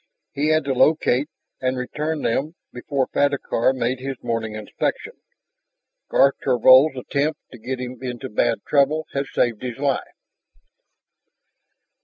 He had to locate and return them before Fadakar made his morning inspection; Garth Thorvald's attempt to get him into bad trouble had saved his life.